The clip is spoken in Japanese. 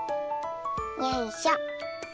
よいしょ。